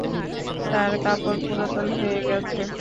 তার কাপড় পুরাতন হয়ে গেছে।